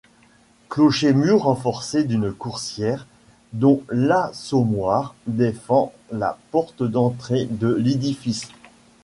Clocher-mur renforcé d'une coursière dont l'assommoir défend la porte d'entrée de l'édifice.